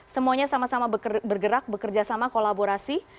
semuanya sama sama bergerak bekerja sama kolaborasi